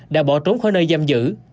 đã bỏ trốn khỏi nơi giam giữ